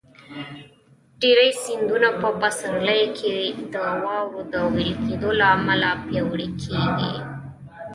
ډېری سیندونه په پسرلي کې د واورو د وېلې کېدو له امله پیاوړي کېږي.